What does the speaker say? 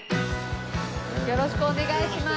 よろしくお願いします。